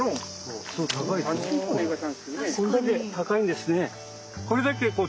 こんだけ高いんですね。